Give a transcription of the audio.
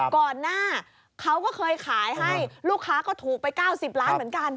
ก่อนหน้าเขาก็เคยขายให้ลูกค้าก็ถูกไป๙๐ล้านเหมือนกัน